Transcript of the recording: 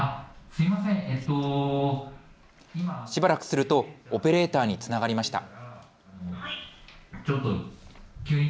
しばらくするとオペレーターにつながりました。